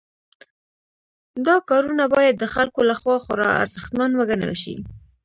دا کارونه باید د خلکو لخوا خورا ارزښتمن وګڼل شي.